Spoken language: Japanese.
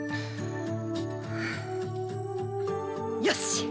よし！